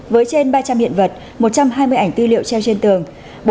với trên ba trăm linh hiện vật một trăm hai mươi ảnh tư liệu treo trên tường